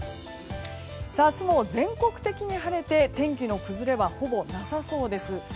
明日も全国的に晴れて天気の崩れはほぼなさそうです。